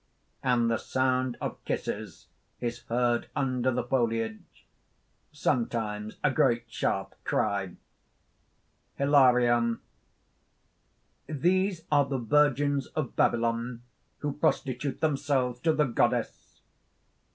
_ And the sound of kisses is heard under the foliage, sometimes a great sharp cry.) HILARION. "These are the virgins of Babylon, who prostitute themselves to the goddess."